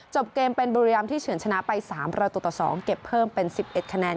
จบเกมเป็นบริรามที่เฉินชนะไปสามประตูต่อสองเก็บเพิ่มเป็นสิบเอ็ดคะแนน